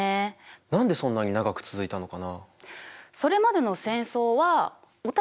何でそんなに長く続いたのかな？